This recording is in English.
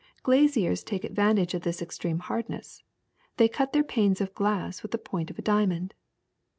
Glaziers take ad vantage of this extreme hardness : they cut their panes of glass with the point of a diamond."